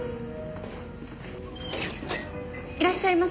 いらっしゃいませ。